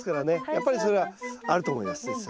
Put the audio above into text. やっぱりそれはあると思います。